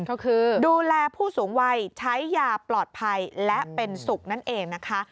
ก็คือดูแลผู้สูงวัยใช้ยาปลอดภัยและเป็นสุขนั่นเองนะคะ